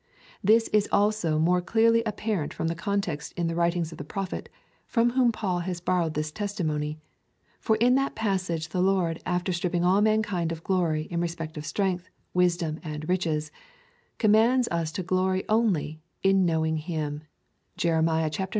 This is also more clearly apparent from the context in the writings of the Prophet, from whom Paul has borrowed this testimony ; for in that passage the Lord, after stripping all mankind of glory in respect of strength, wisdom, and riches, commands us to glory only in knowing him, (Jer.